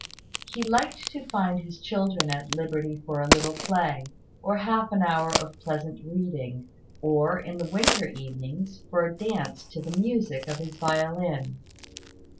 He liked to find his children at liberty for a little play, or half an hour of pleasant reading; or, in the winter evenings, for a dance to the music of his violin.